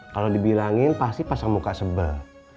kalau dibilangin pasti pasang muka sebel